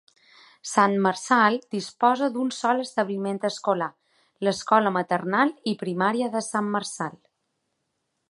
Sant Marçal disposa d'un sol establiment escolar: l'Escola Maternal i Primària de Sant Marçal.